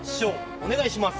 お願いします！